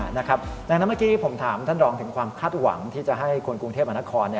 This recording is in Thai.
ดังนั้นเมื่อกี้ผมถามท่านรองถึงความคาดหวังที่จะให้คนกรุงเทพมหานคร